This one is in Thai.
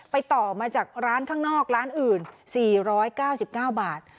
ต่อมาจากร้านข้างนอกร้านอื่น๔๙๙บาท